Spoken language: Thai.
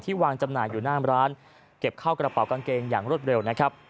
วางจำหน่ายอยู่หน้าร้านเก็บเข้ากระเป๋ากางเกงอย่างรวดเร็วนะครับ